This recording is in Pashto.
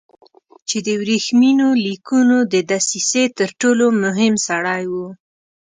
چې د ورېښمینو لیکونو د دسیسې تر ټولو مهم سړی و.